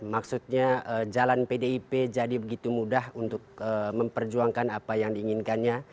maksudnya jalan pdip jadi begitu mudah untuk memperjuangkan apa yang diinginkannya